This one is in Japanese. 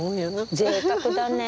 ぜいたくだねえ。